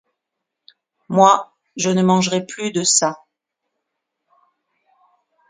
Moi, je ne mangerais que de ça.